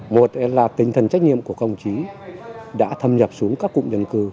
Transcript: một là tinh thần trách nhiệm của công chí đã thâm nhập xuống các cụm dân cư